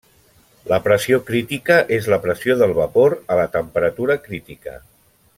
La pressió crítica és la pressió del vapor a la temperatura crítica.